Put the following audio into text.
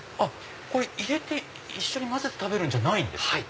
入れて一緒に混ぜて食べるんじゃないんですか。